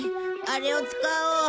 あれを使おう。